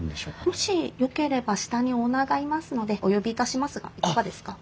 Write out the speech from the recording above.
もしよければ下にオーナーがいますのでお呼びいたしますがいかがですか？